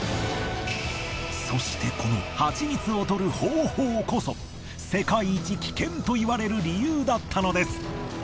そしてこのハチミツを採る方法こそ世界一危険といわれる理由だったのです。